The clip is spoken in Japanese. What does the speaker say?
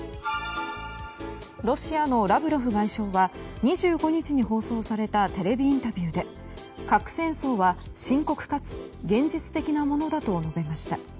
ロシアのラブロフ外相は２５日に放送されたテレビインタビューで核戦争は深刻かつ現実的なものだと述べました。